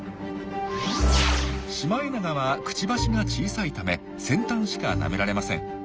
シマエナガはくちばしが小さいため先端しかなめられません。